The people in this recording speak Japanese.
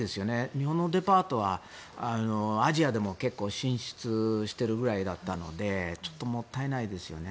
日本のデパートはアジアでも結構進出しているくらいだったのでちょっともったいないですよね。